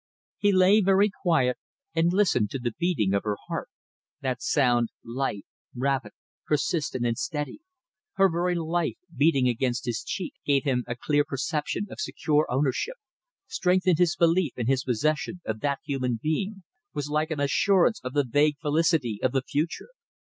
He lay very quiet, and listened to the beating of her heart. That sound, light, rapid, persistent, and steady; her very life beating against his cheek, gave him a clear perception of secure ownership, strengthened his belief in his possession of that human being, was like an assurance of the vague felicity of the future.